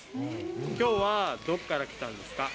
きょうはどこから来たんです